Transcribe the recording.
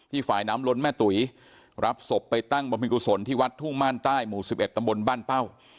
ฝ่ายน้ำล้นแม่ตุ๋ยรับศพไปตั้งบรรพิกุศลที่วัดทุ่งม่านใต้หมู่๑๑ตำบลบ้านเป้า